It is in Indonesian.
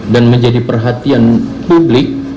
dan menjadi perhatian publik